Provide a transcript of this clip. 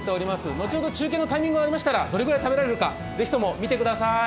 後ほど中継のタイミングが合いましたらどれぐらい食べられるか是非とも見てください。